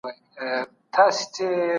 مرګ طبیعي پېښه ده.